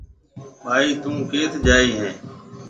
ٻائِي ٿُون ڪيٿ جائي هيَ۔